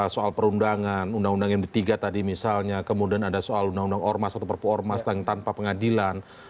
soal perundangan undang undang md tiga tadi misalnya kemudian ada soal undang undang ormas atau perpu ormas tanpa pengadilan